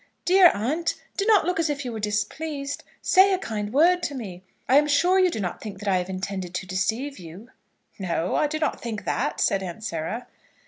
"Dear aunt, do not look as if you were displeased. Say a kind word to me. I am sure you do not think that I have intended to deceive you." "No; I do not think that," said Aunt Sarah.